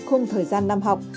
không thời gian năm học